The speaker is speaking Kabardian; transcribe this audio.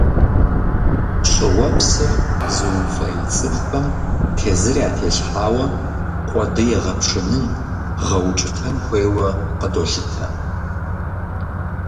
Щӏыуэпсыр зыуфӏей цӏыхухэм тезыр ятелъхьауэ, къуэды егъэпшынын, гъэукӏытэн хуейуэ къыдолъытэ.